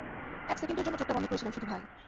এক সেকেন্ডের জন্য চোখটা বন্ধ করেছিলাম শুধু, ভাই!